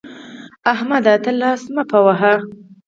احمده! ته لاس مه په وهه.